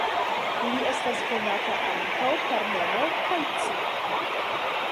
Li estas konata ankaŭ per nomo "Kaitsu".